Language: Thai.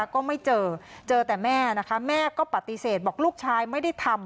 ก็ไม่เจอเจอแต่แม่นะคะแม่ก็ปฏิเสธบอกลูกชายไม่ได้ทำ